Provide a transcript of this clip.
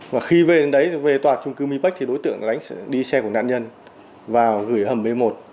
và khi về đến đấy về tòa trung cư mi bách thì đối tượng đi xe của nạn nhân vào gửi hầm b một